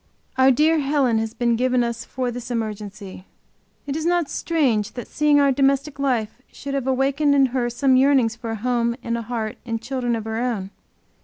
Our dear Helen has been given us for this emergency. Is it not strange that seeing our domestic life should have awakened in her some yearnings for a home and a heart and children of her own.